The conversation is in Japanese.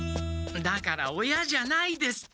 だから親じゃないですってば！